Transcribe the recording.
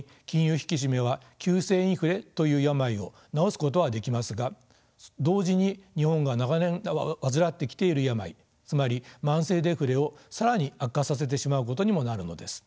引き締めは急性インフレという病を治すことはできますが同時に日本が長年患ってきている病つまり慢性デフレを更に悪化させてしまうことにもなるのです。